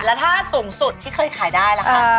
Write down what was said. แล้วถ้าสูงสุดที่เคยขายได้ล่ะคะ